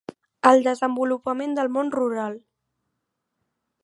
El desenvolupament del món rural.